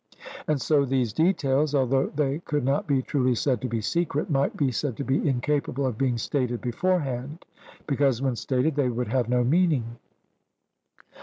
And so these details, although they could not be truly said to be secret, might be said to be incapable of being stated beforehand, because when stated they would have no meaning.